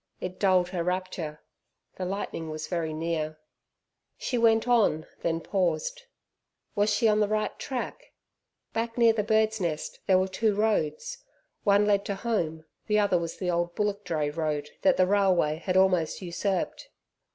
It dulled her rapture. The lightning was very near. She went on, then paused. Was she on the right track? Back, near the bird's nest, were two roads. One led to home, the other was the old bullock dray road that the railway had almost usurped.